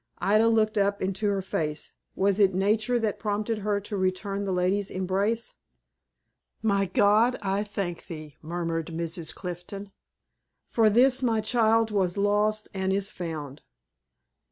Ida looked up into her face. Was it Nature that prompted her to return the lady's embrace? "My God, I thank thee!" murmured Mrs. Clifton; "for this, my child, was lost and is found."